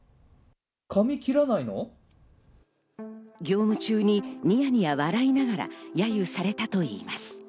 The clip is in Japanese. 業務中にニヤニヤ笑いながら、やゆされたといいます。